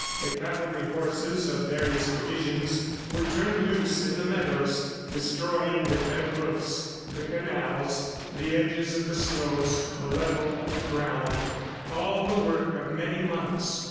The cavalry horses of various divisions were turned loose in the meadows, destroying with their hoofs the canals, the edges of the slopes, the level of the ground, all the work of many months.